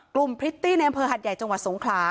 พริตตี้ในอำเภอหัดใหญ่จังหวัดสงขลา